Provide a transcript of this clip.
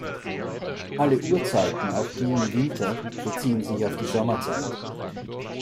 Alle Uhrzeiten, auch die im Winter, beziehen sich auf die Sommerzeit.